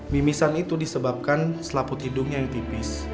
mimisan itu disebabkan selaput hidung yang tipis